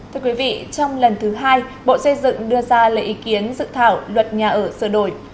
thưa quý vị trong lần thứ hai bộ xây dựng đưa ra lời ý kiến dự thảo luật nhà ở sửa đổi